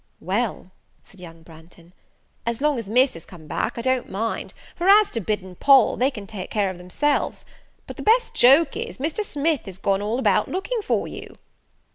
"Well," said young Branghton," as long as Miss is come back, I don't mind; for as to Bid and Poll, they can take care of themselves. But the best joke is, Mr. Smith is gone all about a looking for you."